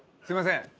すいません